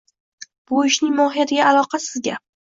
Bu ishning mohiyatiga aloqasiz gap.